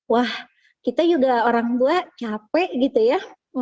wah kita juga orang tua capek gitu ya